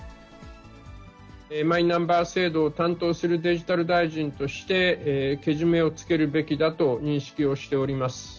マイナンバー制度を担当するデジタル大臣として、けじめをつけるべきだと認識をしております。